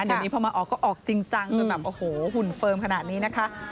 เดี๋ยวนี้พอมาออกก็ออกจริงจังจนแบบโอ้โหหุ่นเฟิร์มขนาดนี้นะคะ